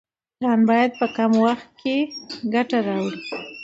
پلان باید په کم وخت کې ګټه راوړي.